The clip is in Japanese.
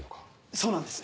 そうなんです。